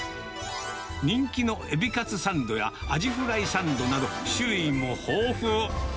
人気のエビカツサンドやアジフライサンドなど、種類も豊富。